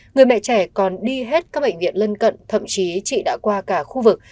người mẹ trẻ còn đi hết các bệnh viện lân cận thậm chí chị đã qua cả khu vực